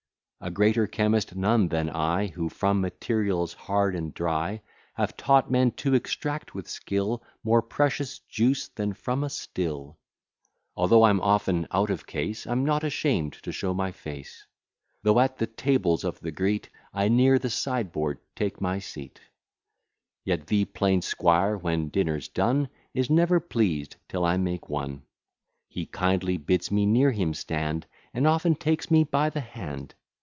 A greater chemist none than I Who, from materials hard and dry, Have taught men to extract with skill More precious juice than from a still. Although I'm often out of case, I'm not ashamed to show my face. Though at the tables of the great I near the sideboard take my seat; Yet the plain 'squire, when dinner's done, Is never pleased till I make one; He kindly bids me near him stand, And often takes me by the hand.